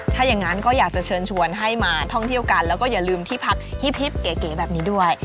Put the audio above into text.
ถ้าอย่างนั้นก็อยากจะเชิญชวนให้มาท่องเที่ยวกันแล้วก็อย่าลืมที่พักฮิปเก๋แบบนี้ด้วย